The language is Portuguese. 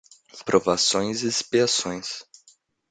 Provações e expiações